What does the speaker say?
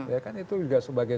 ya kan itu juga sebagai